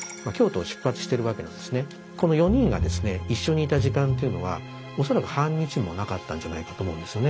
一緒にいた時間というのは恐らく半日もなかったんじゃないかと思うんですよね。